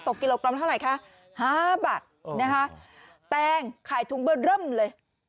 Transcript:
กิโลกรัมเท่าไหร่คะห้าบาทนะคะแตงขายถุงเบอร์เริ่มเลย